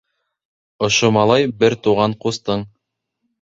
— Ошо малай — бер туған ҡустың.